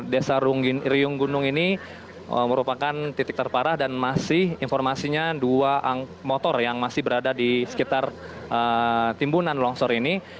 desa riung gunung ini merupakan titik terparah dan masih informasinya dua motor yang masih berada di sekitar timbunan longsor ini